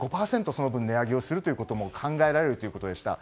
その分、値上げをすることも考えられるということでした。